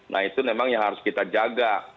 nah itu memang yang harus kita jaga